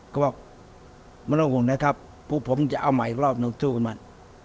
ก็บอกไม่ต้องห่วงนะครับพวกผมจะเอาใหม่อีกรอบหนึ่งสู้กับมัน